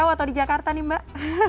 di jawa atau di jakarta nih mbak